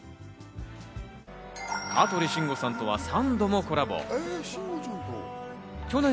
香取慎吾さんとは３度もコラボ。